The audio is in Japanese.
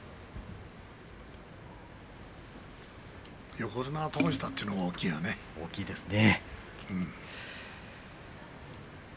横綱を倒したというのが大きいよね。